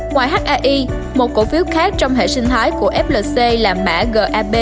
ngoài hai một cổ phiếu khác trong hệ sinh thái của flc là mã gab